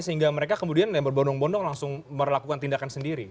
sehingga mereka kemudian berbondong bondong langsung melakukan tindakan sendiri